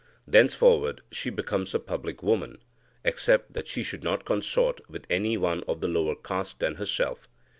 Thenceforward she becomes a public woman, except that she should not consort with any one of lower caste than herself.